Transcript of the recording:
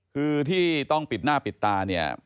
คือที่ต้องปิดหน้าปิดตาเนี่ย